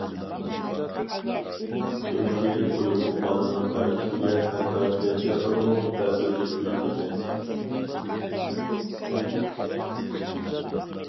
چۈنكى ئۇيقۇ بالىنىڭ ھەرىكىتىگە ھەتتا كەيپىياتىغىمۇ تەسىر يەتكۈزىدىكەن.